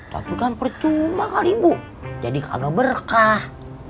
tapi kan percuma kali bu jadi kagak berkah